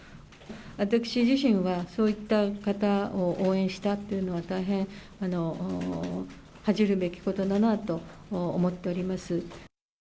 私自身はそういった方を応援したというのは、大変恥じるべきことだなと思っております。